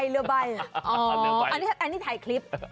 เรือใบอันนี้ถ่ายคลิป